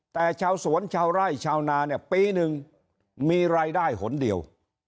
แต่ชาวสวนชาวไร่ชาวนาเนี่ยปีหนึ่งมีรายได้หนเดียว